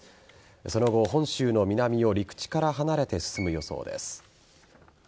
その後、本州の南を陸地から離れて進む予想です。